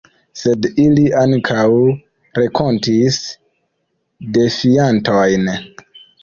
Sed ili ankaŭ renkontis defiantojn.